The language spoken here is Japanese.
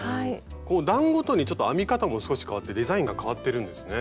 こう段ごとにちょっと編み方も少しかわってデザインがかわってるんですね。